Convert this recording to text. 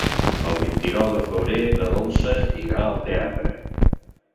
El vint-i-nou de febrer na Dolça irà al teatre.